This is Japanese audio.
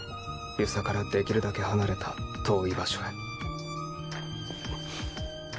遊佐から出来るだけ離れた遠い場所へ。